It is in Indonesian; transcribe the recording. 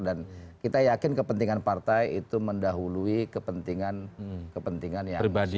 dan kita yakin kepentingan partai itu mendahului kepentingan kepentingan yang pribadi